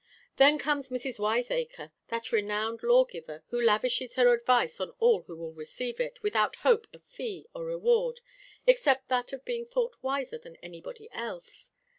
"Then comes Mrs. Wiseacre, that renowned law giver, who lavishes her advice on all who will receive it, without hope of fee or reward, except that of being thought wiser than anybody else.